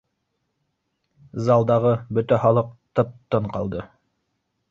Залдағы бөтә халыҡ тып-тын ҡалды